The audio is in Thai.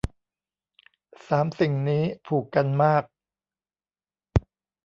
สามสิ่งนี้ผูกกันมาก